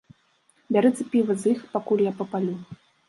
Бярыце піва з іх, пакуль я папалю.